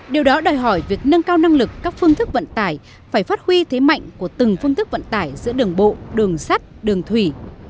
điều đó đòi hỏi việc nâng cao năng lực các phương thức vận tải phải phát huy thế mạnh của từng phương thức vận tải giữa đường bộ đường sắt đường thủy